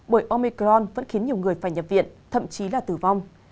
bởi omicron vẫn khiến nhiều người phải nhập viện thậm chí là tử vong